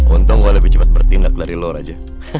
untung gue lebih cepat bertindak dari lo raja